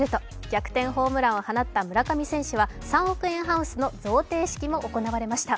逆転ホームランを放った村上選手は３億円ハウスの贈呈式も行いました